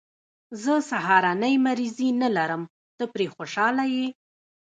زه سهارنۍ مریضي نه لرم، ته پرې خوشحاله یې.